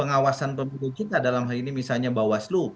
pengawasan pemilu kita dalam hal ini misalnya bawaslu